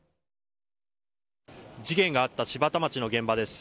事件があった柴田町の現場です。